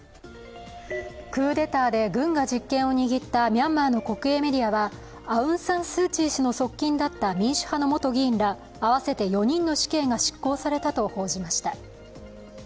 クーデターで軍が実権を握ったミャンマーの国営メディアはアウン・サン・スー・チー氏の側近だった民主派の元議員ら合わせて４人の死刑が執行されたと報じました。